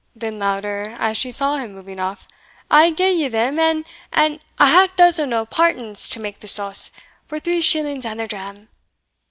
(then louder, as she saw him moving off) "I'll gie ye them and and and a half a dozen o' partans to make the sauce, for three shillings and a dram."